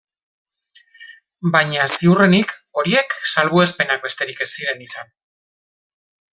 Baina ziurrenik horiek salbuespenak besterik ez ziren izan.